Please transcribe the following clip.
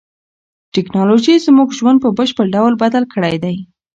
تکنالوژي زموږ ژوند په بشپړ ډول بدل کړی دی.